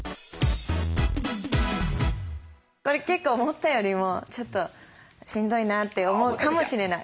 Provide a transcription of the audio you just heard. これ結構思ったよりもちょっとしんどいなって思うかもしれない。